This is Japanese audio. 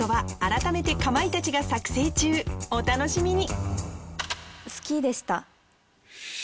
お楽しみに！